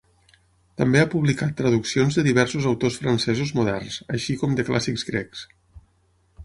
També ha publicat traduccions de diversos autors francesos moderns, així com de clàssics grecs.